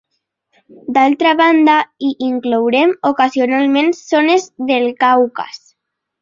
D'altra banda, hi inclourem ocasionalment zones del Caucas.